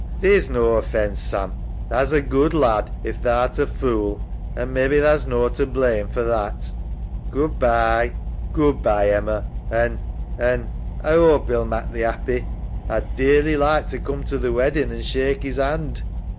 Theer's no offence, Sam. Tha's a good lad if tha art a fool, an' mebbe tha's no to blame for that. Good bye. SAM. Good bye, Emma. An' ... An' A 'ope 'e'll mak' thee 'appy. A'd dearly like to coom to th' weddin' an' shake 'is 'and.